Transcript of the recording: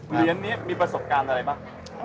เหรียญนี้มีประสบการณ์อะไรบ้าง